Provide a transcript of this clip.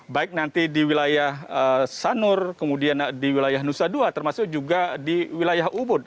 baik nanti di wilayah sanur kemudian di wilayah nusa dua termasuk juga di wilayah ubud